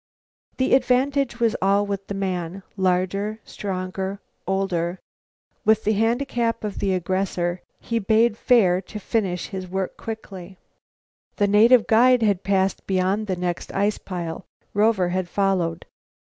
The advantage was all with the man. Larger, stronger, older, with the handicap of the aggressor, he bade fare to finish his work quickly. The native guide had passed beyond the next ice pile. Rover had followed.